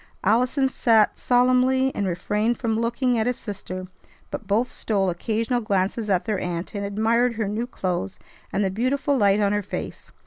Allison sat solemnly, and refrained from looking at his sister; but both stole occasional glances at their aunt, and admired her new clothes and the beautiful light on her face.